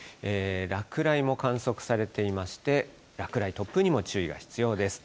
落雷も観測されていまして、落雷、突風にも注意が必要です。